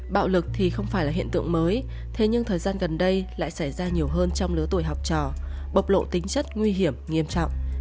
bạo lực thì không phải là hiện tượng mới thế nhưng thời gian gần đây lại xảy ra nhiều hơn trong lứa tuổi học trò bộc lộ tính chất nguy hiểm nghiêm trọng